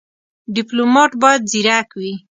ډيپلومات بايد ځيرک وي.